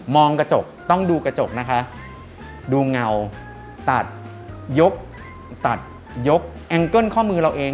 กระจกต้องดูกระจกนะคะดูเงาตัดยกตัดยกแองเกิ้ลข้อมือเราเอง